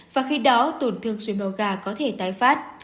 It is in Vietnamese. và khi đó tổn thương suối màu gà có thể tái phát